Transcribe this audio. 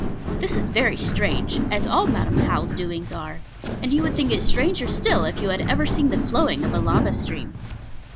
This is very strange as all Madam How's doings are. And you would think it stranger still if you had ever seen the flowing of a lava stream.